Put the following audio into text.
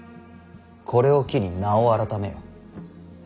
これを機に名を改めよ。